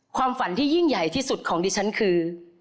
ความฝันที่ยิ่งใหญ่ที่สุดของดิฉันคือ